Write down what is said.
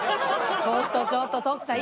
ちょっとちょっと徳さん。